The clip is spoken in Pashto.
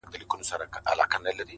چي ستا له سونډو نه خندا وړي څوك